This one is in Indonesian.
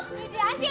gini dia anjig